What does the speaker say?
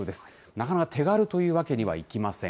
なかなか手軽というわけにはいきません。